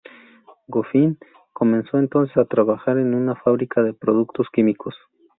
Goffin comenzó entonces a trabajar en una fábrica de productos químicos.